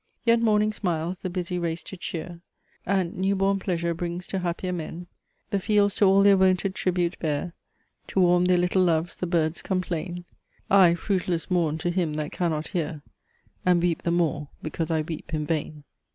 _ Yet morning smiles the busy race to cheer, And new born pleasure brings to happier men; The fields to all their wonted tribute bear; To warm their little loves the birds complain: _I fruitless mourn to him that cannot hear, And weep the more, because I weep in vain."